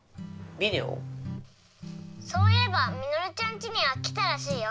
そういえばミノルちゃんちには来たらしいよ。